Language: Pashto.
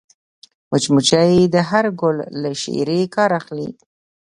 مچمچۍ د هر ګل له شيرې کار اخلي